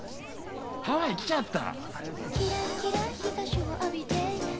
ハワイ来ちゃった。